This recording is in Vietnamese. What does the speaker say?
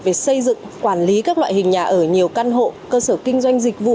về xây dựng quản lý các loại hình nhà ở nhiều căn hộ cơ sở kinh doanh dịch vụ